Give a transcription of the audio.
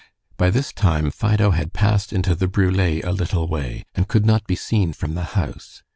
By this time Fido had passed into the brule a little way, and could not be seen from the house.